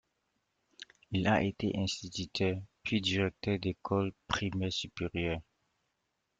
Il a été instituteur, puis directeur d'école primaire supérieure.